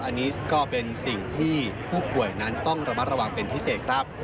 อันนี้ก็เป็นสิ่งที่ผู้ป่วยนั้นต้องระมัดระวังเป็นพิเศษครับ